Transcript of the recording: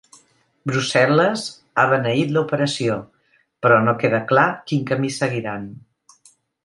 Brussel·les ha beneït l’operació, però no queda clar quin camí seguiran.